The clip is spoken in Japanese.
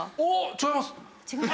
違います？